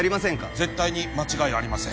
絶対に間違いありません